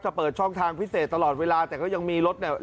เปิดช่องทางพิเศษตลอดเวลาแต่ก็ยังมีรถเนี่ย